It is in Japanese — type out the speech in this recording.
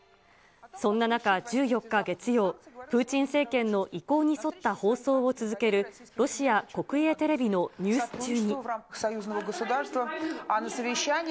そんな中、１４日月曜、プーチン政権の意向に沿った放送を続けるロシア国営テレビのニュース中に。